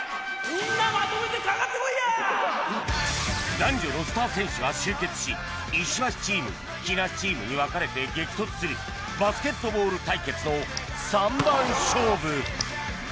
男女のスター選手が集結し石橋チーム木梨チームに分かれて激突するバスケットボール対決の３番勝負